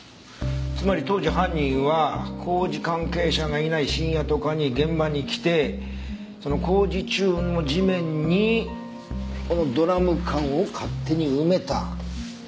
つまり当時犯人は工事関係者がいない深夜とかに現場に来てその工事中の地面にこのドラム缶を勝手に埋めた。